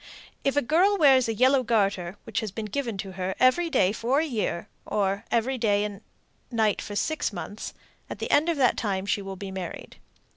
If a girl wears a yellow garter (which has been given to her) every day for a year, or every day and night for six months, at the end of that time she will be married.